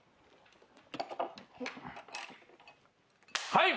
はい！